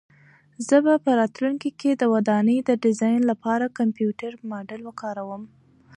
زه به په راتلونکي کې د ودانۍ د ډیزاین لپاره کمپیوټري ماډل وکاروم.